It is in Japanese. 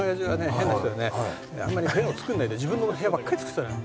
変な人でねあんまり部屋を作らないで自分の部屋ばっかり作ってたのよ。